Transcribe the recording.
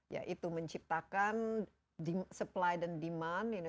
ya itu menciptakan supply dan demand